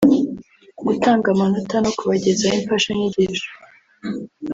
gutanga amanota no kubagezaho imfashanyigisho